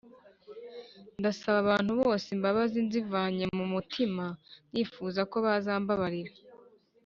Ndasaba abantu bose imbabazi nzivanye mu mutima nifuza ko bazambabarira